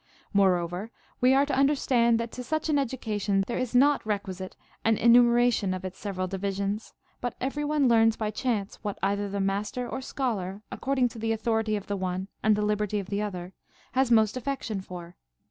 Moreover, we are to understand that to such an education there is not requisite an enumeration of its sev eral divisions, but every one learns by chance what either the master or scholar, according to the authority of the one and the liberty of the other, has most aifection for.